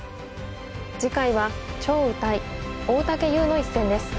次回は張栩対大竹優の一戦です。